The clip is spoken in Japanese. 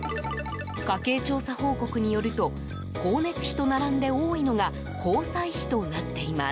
家計調査報告によると光熱費と並んで多いのが交際費となっています。